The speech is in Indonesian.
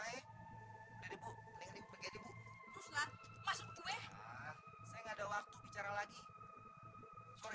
eh dari buku buku terus langsung masuk gue saya nggak ada waktu bicara lagi sore